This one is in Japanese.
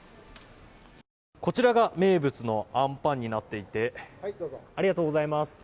こちらが名物のあんぱんになっていてありがとうございます。